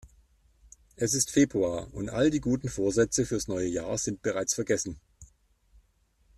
Es ist Februar und all die guten Vorsätze fürs neue Jahr sind bereits vergessen.